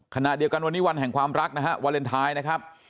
ขณะเดียวกันวันนี้วันแห่งความรักนะฮะวาเลนไทยนะครับ